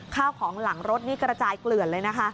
ข้าวของหลังรถนี่กระจายเกลื่อนเลยนะคะ